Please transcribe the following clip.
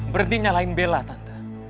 berhenti menyalahkan bella tante